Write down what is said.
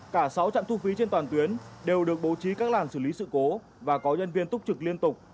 cả sáu trạm thu phí trên toàn tuyến đều được bố trí các làn xử lý sự cố và có nhân viên túc trực liên tục